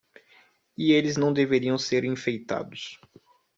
E eles não deveriam ser enfeitados?